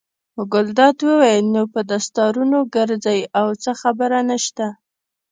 ګلداد وویل: نو په دستارونو ګرځئ او څه خبره نشته.